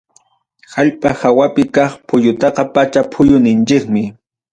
Allpa hawapi kaq puyutaqa pacha puyu ninchikmi.